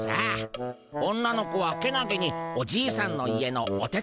女の子はけなげにおじいさんの家のお手伝いをするでゴンス。